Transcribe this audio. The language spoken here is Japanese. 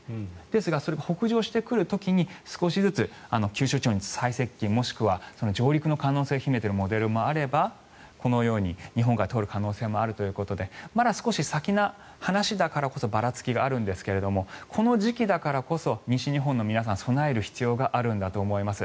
ですが、それが北上してくる時に少しずつ九州地方に最接近もしくは上陸の可能性を秘めているモデルもあればこのように日本海を通る可能性もあるということでまだ先の話だからこそばらつきがあるんですがこの時期だからこそ西日本の皆さん備える必要があるんだと思います。